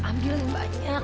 ambil yang banyak